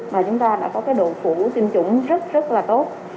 mà chúng ta đã có cái độ phủ tiêm chủng rất rất là tốt